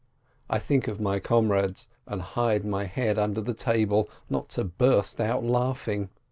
I think of my comrades, and hide my head under the table, not to burst out laughing.